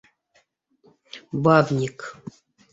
Бабник!..